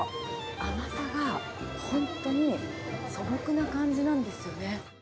甘さが本当に素朴な感じなんですよね。